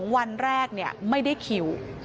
วันแรกไม่ได้คิว